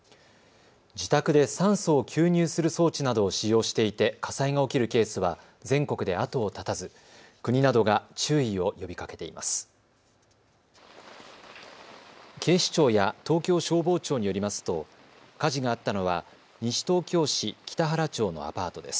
自宅で酸素を吸入する装置などを使用していて火災が起きるケースは全国で後を絶たず国などが注意を呼びかけています。